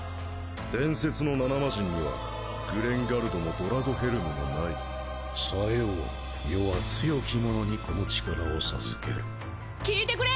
伝説の７マジンにはグレンガルドもドラゴヘルムもないさよう余は強き者にこの力を授ける聞いてくれ！